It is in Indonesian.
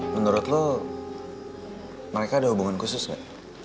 menurut lo mereka ada hubungan khusus nggak